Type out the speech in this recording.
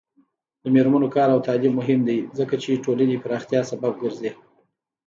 د میرمنو کار او تعلیم مهم دی ځکه چې ټولنې پراختیا سبب ګرځي.